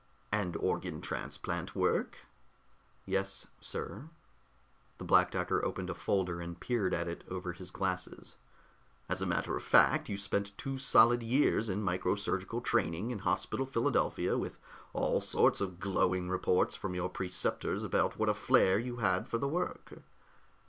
"And organ transplant work?" "Yes, sir." The Black Doctor opened a folder and peered at it over his glasses. "As a matter of fact, you spent two solid years in micro surgical training in Hospital Philadelphia, with all sorts of glowing reports from your preceptors about what a flair you had for the work."